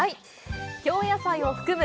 京野菜を含む